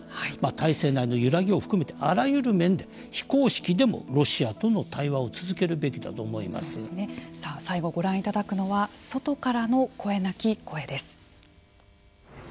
体制内の揺らぎを含めてあらゆる面で、非公式でもロシアとの対話を最後、ご覧いただくのは外からの声なき声です。